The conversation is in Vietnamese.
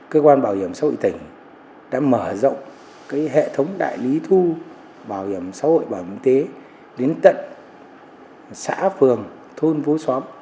cơ quan bảo hiểm xã hội tỉnh đã mở rộng hệ thống đại lý thu bảo hiểm xã hội bảo hiểm y tế đến tận xã phường thôn phú xóm